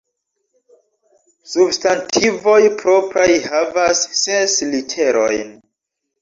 Substantivoj propraj havas ses literojn.